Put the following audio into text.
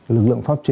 lực lượng pháp chế